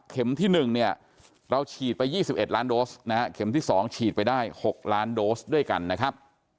ที่๑เนี่ยเราฉีดไป๒๑ล้านโดสนะฮะเข็มที่๒ฉีดไปได้๖ล้านโดสด้วยกันนะครับ